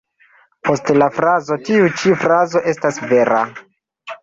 Poste la frazo ""Tiu ĉi frazo estas vera.